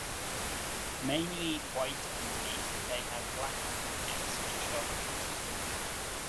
Mainly white underneath, they have black wingtips and shoulders.